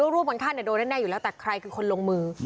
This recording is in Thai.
ร่วมกันฆ่าโดนแน่อยู่แล้วแต่ใครคือคนลงมือ